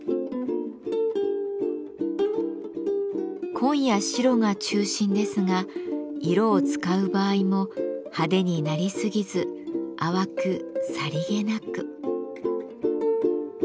紺や白が中心ですが色を使う場合も派手になりすぎず淡くさりげなく。